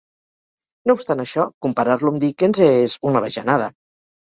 No obstant això, comparar-lo amb Dickens és... una bajanada.